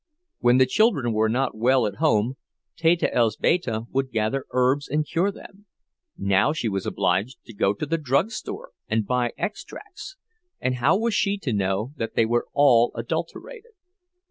When the children were not well at home, Teta Elzbieta would gather herbs and cure them; now she was obliged to go to the drugstore and buy extracts—and how was she to know that they were all adulterated?